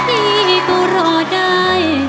ดีก็รอได้